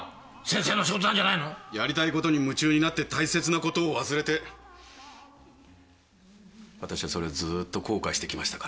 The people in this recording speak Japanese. やりたいことに夢中になって大切なことを忘れてわたしはそれでずーっと後悔してきましたから。